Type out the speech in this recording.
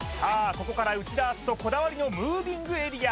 ここから内田篤人こだわりのムービングエリア